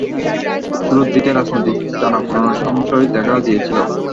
শুরুর দিকে রাজনৈতিক টানাপোড়েনের সংশয় দেখা দিয়েছিল।